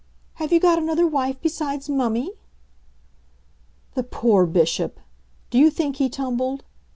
"Have you got another wife besides mummy?" The poor Bishop! Do you think he tumbled?